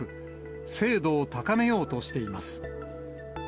精度を高めようとしています。